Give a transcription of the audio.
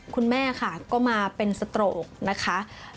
คุณแม่ค่ะก็มาเป็นสโตรกนะคะ